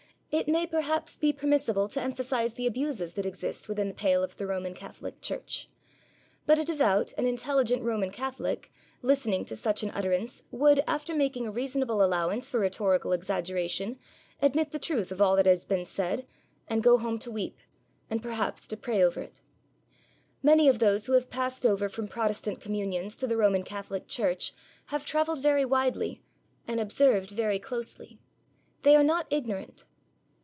It may, perhaps, be permissible to emphasize the abuses that exist within the pale of the Roman Catholic Church. But a devout and intelligent Roman Catholic, listening to such an utterance, would, after making a reasonable allowance for rhetorical exaggeration admit the truth of all that had been said, and go home to weep, and, perhaps, to pray over it. Many of those who have passed over from Protestant communions to the Roman Catholic Church have travelled very widely and observed very closely. They are not ignorant.